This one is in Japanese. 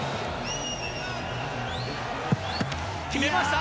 決めました！